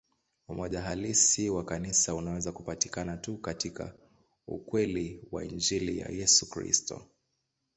Umoja halisi wa Kanisa unaweza kupatikana tu katika ukweli wa Injili ya Yesu Kristo.